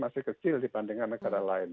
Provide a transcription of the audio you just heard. masih kecil dibandingkan negara lain